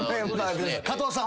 加藤さん